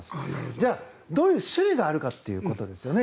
じゃあ、どういう種類があるかということですよね。